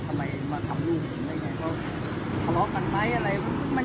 ตอนนี้กำหนังไปคุยของผู้สาวว่ามีคนละตบ